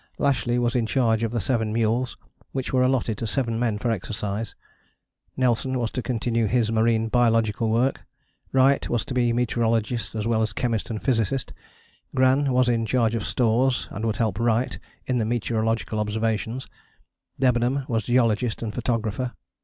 Lashly was in charge of the seven mules, which were allotted to seven men for exercise: Nelson was to continue his marine biological work: Wright was to be meteorologist as well as chemist and physicist: Gran was in charge of stores, and would help Wright in the meteorological observations: Debenham was geologist and photographer.